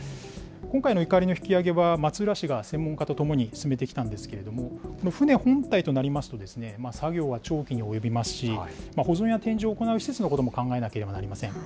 今回のいかりの引き揚げは、松浦市が専門家とともに進めてきたんですけれども、船本体となりますと、作業は長期に及びますし、保存や展示を行う施設のことも考えなければなりません。